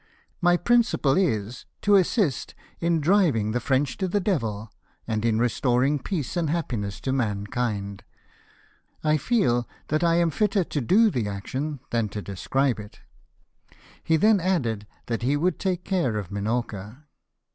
My principle is, to assist in driving the French to the devil, and in restoring peace and happiness to mankind. I feel that I am fitter to do the action than to describe it." He then added, that he would take care of Minorca.